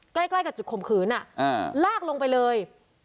ใกล้ใกล้กับจุดข่มขืนน่ะอ่าลากลงไปเลย